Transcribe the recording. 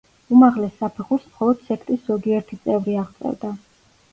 უმაღლეს საფეხურს მხოლოდ სექტის ზოგიერთი წევრი აღწევდა.